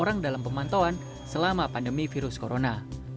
orang dalam pemantauan selama pandemi virus corona